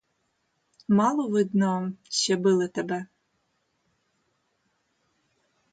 Мало, видно, ще били тебе.